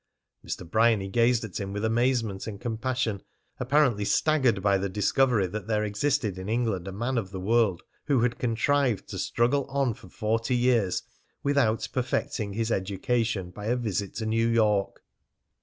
Mr. Bryany gazed at him with amazement and compassion, apparently staggered by the discovery that there existed in England a man of the world who had contrived to struggle on for forty years without perfecting his education by a visit to New York.